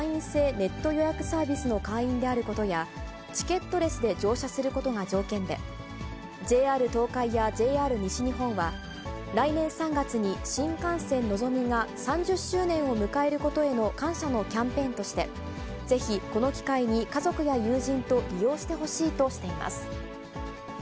ネット予約サービスの会員であることや、チケットレスで乗車することが条件で、ＪＲ東海やＪＲ西日本は、来年３月に新幹線のぞみが３０周年を迎えることへの感謝のキャンペーンとして、ぜひこの機会に家族や友人と利用してほしいとしています。